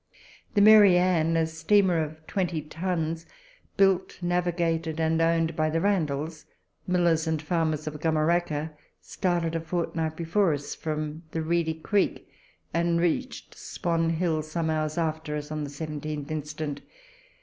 The Mary Anne, a steamer of 20 tons, built, navigated, and owned by the Randalls, millers and farmers of Gumeracka, started a fortnight before us from the Reedy Creek, and reached Swan Hill some hours after us, on the 17th inst.